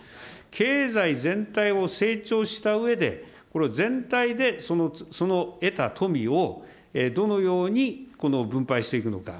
経済全体を成長したうえで、これを全体でその得た富をどのように分配していくのか。